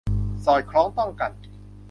สอดคล้องต้องกัน